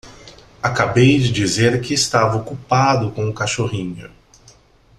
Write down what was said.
Acabei de dizer que estava ocupado com o cachorrinho.